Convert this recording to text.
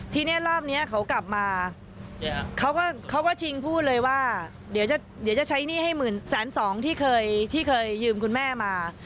ทีนี้รอบนี้เขากลับมาเขาก็ชิงพูดเลยว่าเดี๋ยวจะใช้หนี้ให้หมื่นแสนสองที่เคยที่เคยยืมคุณแม่มา